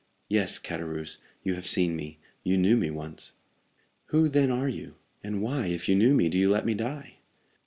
"Yes, Caderousse, you have seen me; you knew me once." "Who, then, are you? and why, if you knew me, do you let me die?"